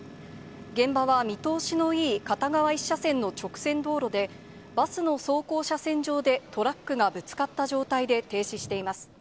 現場は見通しのいい片側１車線の直線道路で、バスの走行車線上でトラックがぶつかった状態で停止しています。